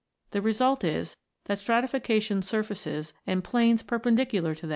The result is that strati fication surfaces and planes perpendicular to them Fig.